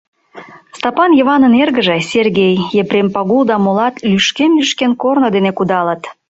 Стапан Йыванын эргыже — Сергей, Епрем Пагул да молат, лӱшкен-лӱшкен, корно дене кудалыт.